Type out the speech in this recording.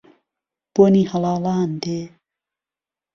بۆنی هەڵاڵان دێ